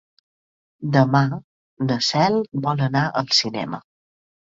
Demà na Cel vol anar al cinema.